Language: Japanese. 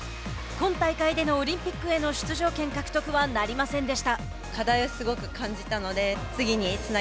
今大会でのオリンピックへの出場権獲得はなりませんでした。